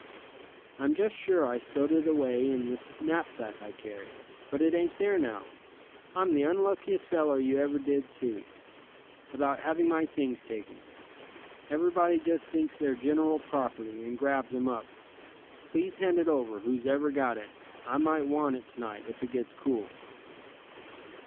"I'm just sure I stowed it away in this knapsack I carry, but it ain't there now. I'm the unluckiest feller you ever did see, about having my things taken. Everybody just thinks they're general property, and grabs 'em up. Please hand it over, whoever's got it. I might want it to night, if it gets cool."